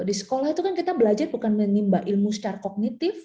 di sekolah itu kan kita belajar bukan menimba ilmu secara kognitif